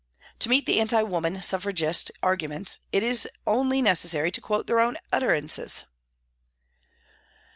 To meet the Anti Woman Suffragist arguments, it is only necessary to quote their own utterances.